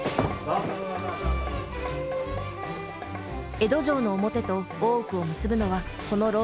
江戸城の表と大奥を結ぶのはこの廊下のみ。